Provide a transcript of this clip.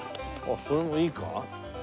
あっそれもいいか。